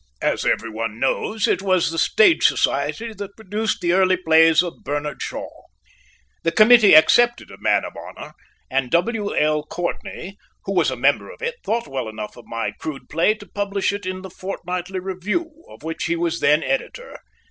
As every one knows, it was the Stage Society that produced the early plays of Bernard Shaw. The committee accepted A Man of Honour, and W.L. Courtney, who was a member of it, thought well enough of my crude play to publish it in The Fortnightly Review, of which he was then editor.